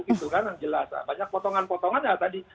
itu kan yang jelas banyak potongan potongan ya tadi